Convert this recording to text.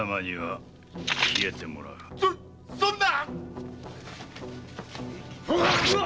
そそんな！